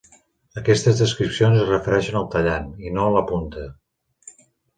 Aquestes descripcions es refereixen al tallant, i no a la punta.